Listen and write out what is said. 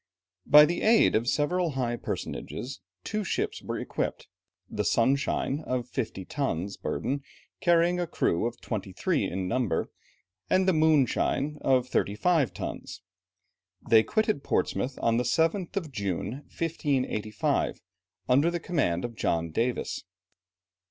By the aid of several high personages, two ships were equipped; the Sunshine, of fifty tons' burden and carrying a crew of twenty three in number, and the Moonshine, of thirty five tons. They quitted Portsmouth on the 7th of June, 1585, under the command of John Davis.